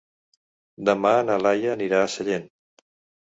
Demà na Lia anirà a Sellent.